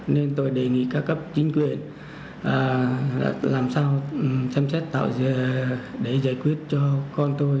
nên tôi đề nghị các cấp chính quyền làm sao chăm chết để giải quyết cho con tôi